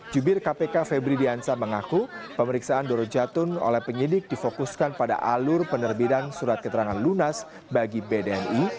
jubir kpk febri diansa mengaku pemeriksaan doro jatun oleh penyidik difokuskan pada alur penerbitan surat keterangan lunas bagi bdni